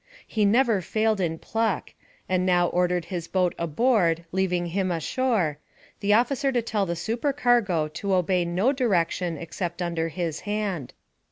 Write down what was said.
He never failed in pluck, and now ordered his boat aboard, leaving him ashore, the officer to tell the supercargo to obey no direction except under his hand.